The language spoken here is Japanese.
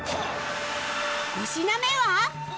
５品目は？